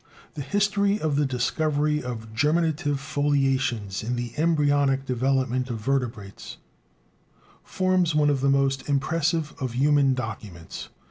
The history of the discovery of germinative foliations in the embryonic development of vertebrates forms one of the most impressive of human documents.